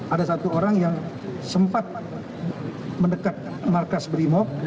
ada satu orang yang sempat mendekat markas brimob